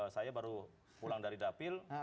saya baru pulang dari dapil